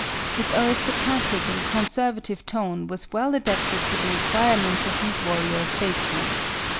His aristocratic and conservative tone was well adapted to the requirements of these warrior statesmen.